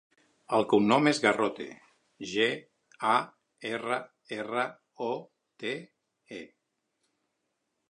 El cognom és Garrote: ge, a, erra, erra, o, te, e.